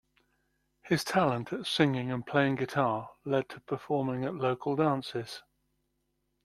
His talent at singing and playing guitar led to performing at local dances.